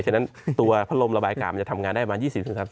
ฉะนั้นตัวพัดลมระบายอากาศมันจะทำงานได้มา